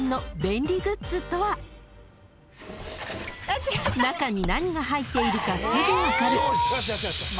［中に何が入っているかすぐ分かる］